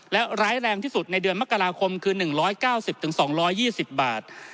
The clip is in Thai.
และร้ายแรงที่สุดในเดือนมกราคมคือ๑๙๐๒๒๐บาท